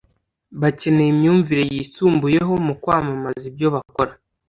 bakeneye imyumvire yisumbuyeho mu kwamamaza ibyo bakora